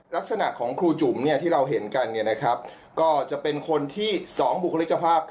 ลักษณะของครูจุ๋มที่เราเห็นกันก็จะเป็นคนที่๒บุคลิกภาพ